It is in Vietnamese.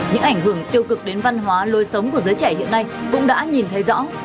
những ảnh hưởng tiêu cực đến văn hóa lôi sống của giới trẻ hiện nay cũng đã nhìn thấy rõ